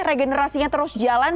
regenerasinya terus jalan